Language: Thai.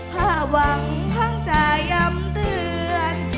ถ้าหวังทั้งจะย้ำเตือน